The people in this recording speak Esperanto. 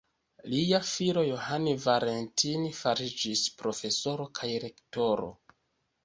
Lia filo Johann Valentin fariĝis profesoro kaj rektoro.